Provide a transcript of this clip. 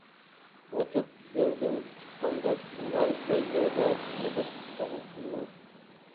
ئوچۇق گۆردىن چىققاندەك ئۇلار كۆزلىرىدە سىرغىپ سوغۇق نۇر.